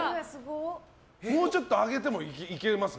もうちょっと上げてもいけますね。